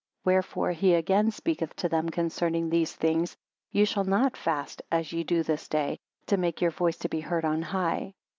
14 Wherefore he again speaketh to them, concerning these things; Ye shall not fast as ye do this day, to make your voice to be heard on high.